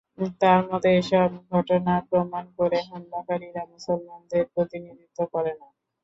তাঁর মতে, এসব ঘটনা প্রমাণ করে হামলাকারীরা মুসলিমদের প্রতিনিধিত্ব করে না।